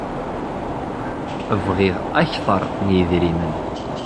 Bɣiɣ akteṛ n yedrimen.